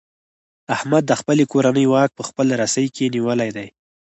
احمد د خپلې کورنۍ واک په خپله رسۍ کې نیولی دی.